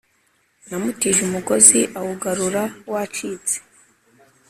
Namutije umugozi awugarura wacitse